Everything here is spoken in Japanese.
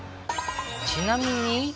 ちなみに。